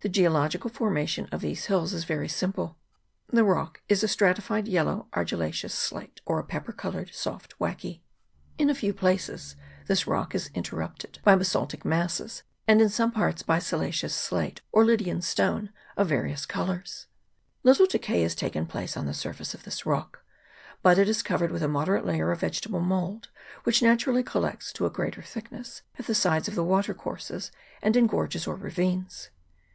The geological formation of these hills is very simple. The rock is a stratified yellow argillaceous slate, or a pepper coloured soft wacke. In a few places this rock is interrupted by basaltic masses, and in some parts by siliceous slate, or Lydian stone, of various colours. Little decay has taken place on the surface of this rock. But it is covered with a moderate layer of vegetable mould, which naturally collects to a greater thickness at the sides of the watercourses and in gorges or ravines.